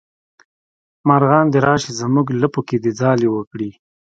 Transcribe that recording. مارغان دې راشي زمونږ لپو کې ځالې وکړي